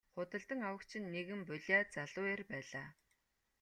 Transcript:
Худалдан авагч нь нэгэн булиа залуу эр байлаа.